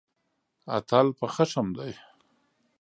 اتل په خښم دی.